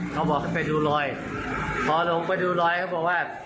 เขาบอกให้ไปดูรอยพอลงไปดูรอยเขาบอกว่า